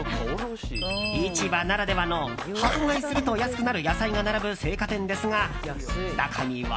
市場ならではの箱買いすると安くなる野菜が並ぶ青果店ですが、中には。